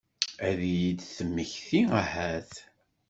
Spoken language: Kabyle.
Ad iyi-d-temmekti ahat?